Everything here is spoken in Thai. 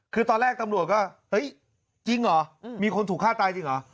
คือตอนแรกตำรวจก็เฮ้ยจริงเหรอมีคนถูกฆ่าตายจริงเหรอ